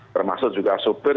termasuk juga sopir